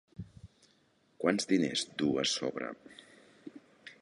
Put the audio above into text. Quants diners duu a sobre?